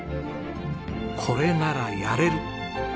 これならやれる！